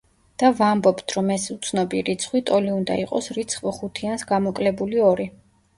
და ვამბობთ, რომ ეს უცნობი რიცხვი ტოლი უნდა იყოს რიცხვ ხუთიანს გამოკლებული ორი.